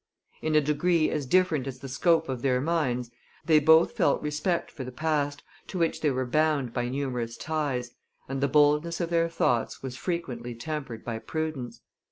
In a degree as different as the scope of their minds, they both felt respect for the past, to which they were bound by numerous ties, and the boldness of their thoughts was frequently tempered by prudence.